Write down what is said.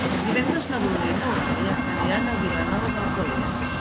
Divendres na Bruna i n'Eulàlia aniran a Vilanova d'Alcolea.